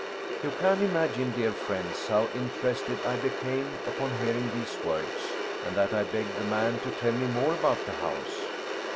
You can imagine, dear friends, how interested I became upon hearing these words, and that I begged the man to tell me more about the house.